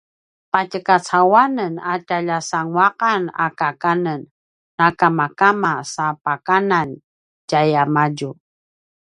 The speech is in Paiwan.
patjekacauanen a tjalja sanguaqan a kakanen na kamakama sa pakanan tjayamadju